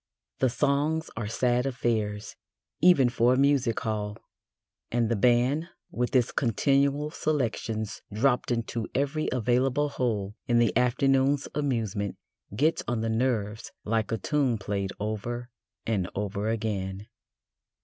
The songs are sad affairs, even for a music hall, and the band, with its continual "selections" dropped into every available hole in the afternoon's amusement, gets on the nerves like a tune played over and over again.